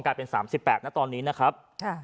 กลายเป็น๓๘นะตอนนี้นะครับ